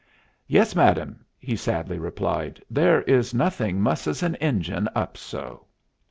'Yes, madam,' he sadly replied: 'there is nothing musses an engine up so.'"